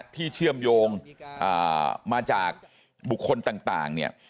ที่เชื่อมโยงมาจากบุคคลต่าง